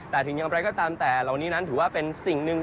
แต่ถึงอย่างไรก็ตามแต่เหล่านี้นั้นถือว่าเป็นสิ่งหนึ่ง